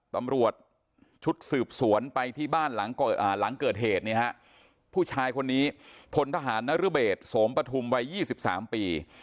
ตำรวจชุดสืบสวนไปที่บ้านหลังเกิดเหตุเนี่ยฮะผู้ชายคนนี้พลทหารนรเบศสมปฐุมวัย๒๓ปี